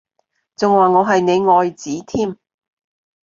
仲話我係你愛子添？